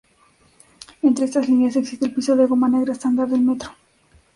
Entre estas líneas, existe el piso de goma negra estándar del Metro.